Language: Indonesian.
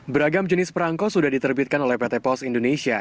beragam jenis perangko sudah diterbitkan oleh pt pos indonesia